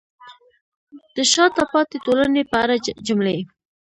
د شاته پاتې ټولنې په اړه جملې: